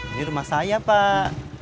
ini rumah saya pak